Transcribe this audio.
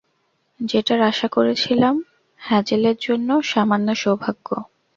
যেটার আশা করেছিলাম, হ্যাজেলের জন্য সামান্য সৌভাগ্য।